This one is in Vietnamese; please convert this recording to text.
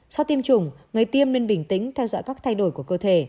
sau tiêm chủng người tiêm nên bình tĩnh theo dõi các thay đổi của cơ thể